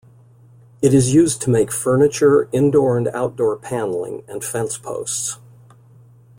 It is used to make furniture, indoor and outdoor paneling, and fence posts.